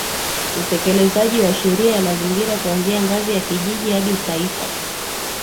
Utekelezaji wa sheria ya mazingira kuanzia ngazi ya kijiji hadi taifa